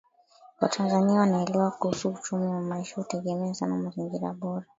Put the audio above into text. Watanzania wanaelewa kuhusu uchumi na maisha hutegemea sana mazingira bora